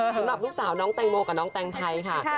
สำหรับลูกสาวน้องแตงโมกับน้องแตงไทยค่ะ